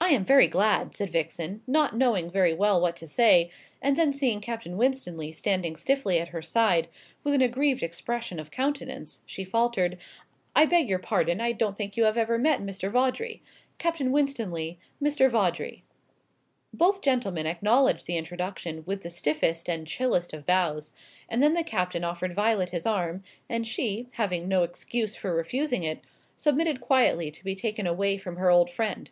"I am very glad," said Vixen, not knowing very well what to say; and then seeing Captain Winstanley standing stiffly at her side, with an aggrieved expression of countenance, she faltered: "I beg your pardon; I don't think you have ever met Mr. Vawdrey. Captain Winstanley Mr. Vawdrey." Both gentlemen acknowledged the introduction with the stiffest and chilliest of bows; and then the Captain offered Violet his arm, and she, having no excuse for refusing it, submitted quietly to be taken away from her old friend.